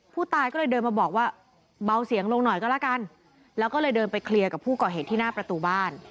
ผู้ตายก็เลยเดินมาบอกว่าเบาเสียงลงหน่อยก็แล้วกันแล้วก็เลยเดินไปเคลียร์กับผู้ก่อเหตุที่หน้าประตูบ้าน